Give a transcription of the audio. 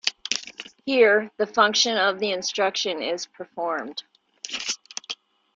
Here, the function of the instruction is performed.